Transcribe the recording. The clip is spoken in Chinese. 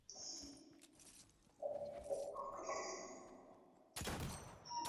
过时或错位的图表可能增加事故的可能性。